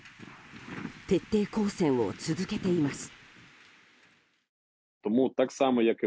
徹底抗戦を続けています。